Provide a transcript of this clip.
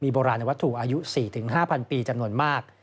วัตถุอายุ๔๕พันปีจำนวนมาก